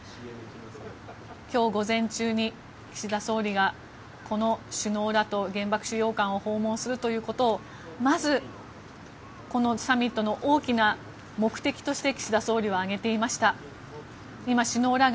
今日午前中に、岸田総理がこの首脳らが原爆資料館を訪問するということをまずこのサミットの目的として、岸田総理は挙げていました。